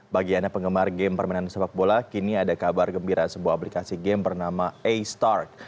bagiannya penggemar game permainan sepak bola kini ada kabar gembira sebuah aplikasi game bernama a start